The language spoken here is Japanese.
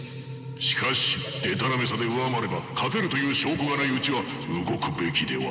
しかしでたらめさで上回れば勝てるという証拠がないうちは動くべきでは。